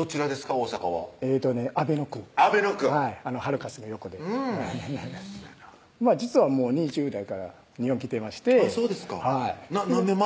大阪は阿倍野区阿倍野区はいハルカスの横で実はもう２０代から日本来てましてそうですか何年前？